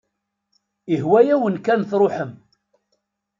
Ihwa-yawen kan truḥem.